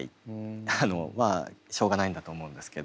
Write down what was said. まあしょうがないんだと思うんですけど。